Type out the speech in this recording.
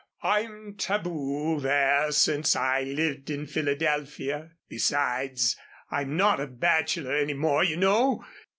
I'm taboo there since I lived in Philadelphia. Besides, I'm not a bachelor any more, you know.